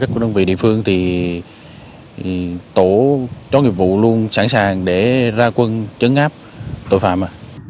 các đơn vị địa phương thì tổ chó nghiệp vụ luôn sẵn sàng để ra quân trấn áp tội phạm